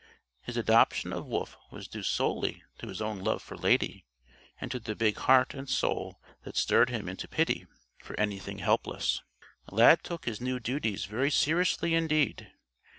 His adoption of Wolf was due solely to his own love for Lady and to the big heart and soul that stirred him into pity for anything helpless. Lad took his new duties very seriously indeed.